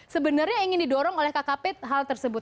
sebenarnya ingin didorong oleh kkp hal tersebut